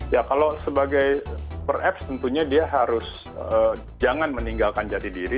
ya kalau sebagai per apps tentunya dia harus jangan meninggalkan jati diri